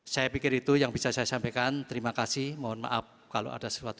saya pikir itu yang bisa saya sampaikan terima kasih mohon maaf kalau ada sesuatu